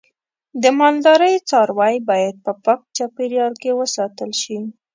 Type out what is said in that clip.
د مالدارۍ څاروی باید په پاک چاپیریال کې وساتل شي.